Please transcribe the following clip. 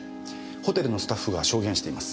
ホテルのスタッフが証言しています。